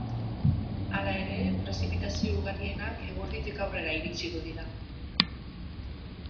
Hala ere, prezipitazio ugarienak eguerditik aurrera iritsiko dira.